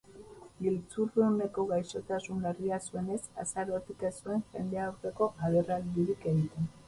Giltzurruneko gaixotasun larria zuenez, azarotik ez zuen jendaurreko agerraldirik egiten.